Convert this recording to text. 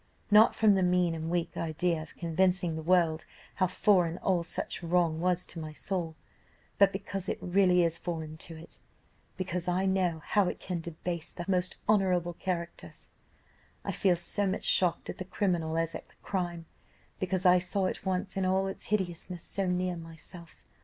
Not from the mean and weak idea of convincing the world how foreign all such wrong was to my soul, but because it really is foreign to it, because I know how it can debase the most honourable characters; I feel so much shocked at the criminal as at the crime, because I saw it once in all its hideousness so near myself.